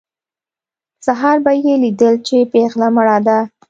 سهار به یې لیدل چې پېغله مړه ده.